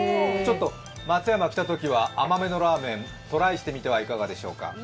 松山来たときは、甘めのラーメン、トライしてみてはいかがでしょうか。